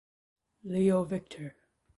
Leo Victor